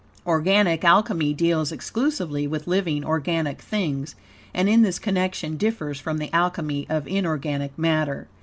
Organic Alchemy deals exclusively with living, organic things, and in this connection differs from the Alchemy of inorganic matter.